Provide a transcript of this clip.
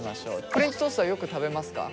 フレンチトーストはよく食べますか？